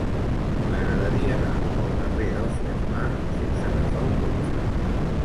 M'agradaria anar al carrer d'Ausiàs Marc sense agafar el cotxe.